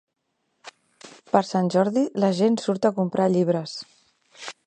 Per Sant Jordi la gent surt a comprar llibres.